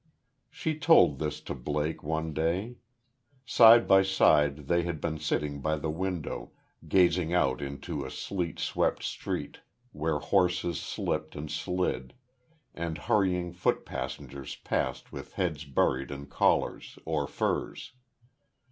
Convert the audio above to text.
She told this to Blake, one day. Side by side, they had been sitting by the window, gazing out into a sleet swept street where horses slipped and slid, and hurrying foot passengers passed with heads buried in collars, or furs.